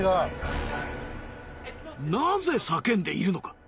なぜ叫んでいるのか？